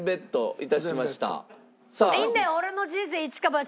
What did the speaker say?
いいんだよ。